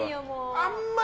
あんまり。